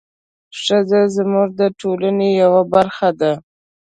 ښځې زموږ د ټولنې یوه برخه ده.